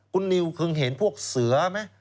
คุณนิวเคยเห็นพวกเสือไหม